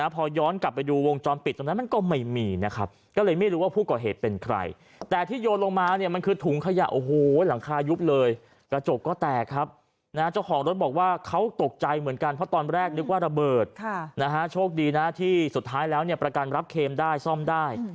พอย้อนกลับไปดูวงจรปิด